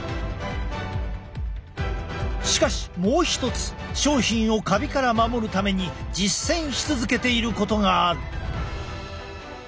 しかしもう一つ商品をカビから守るために実践し続けていることがある。